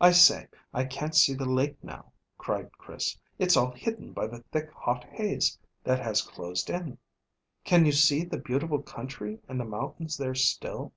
"I say, I can't see the lake now," cried Chris. "It's all hidden by the thick hot haze that has closed in." "Can you see the beautiful country and the mountains there still?"